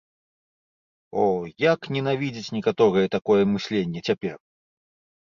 О, як ненавідзяць некаторыя такое мысленне цяпер.